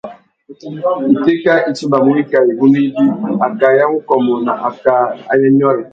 Itéka i timbamú wikā igunú ibi: akā ya wukômô na akā ayê nyôrê.